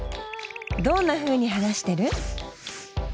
どんなふうに話してる？